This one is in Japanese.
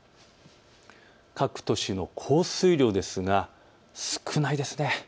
各都市の降水量ですが少ないですね。